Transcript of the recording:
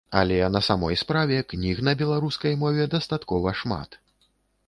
Але на самой справе, кніг на беларускай мове дастаткова шмат.